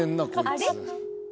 「あれ？」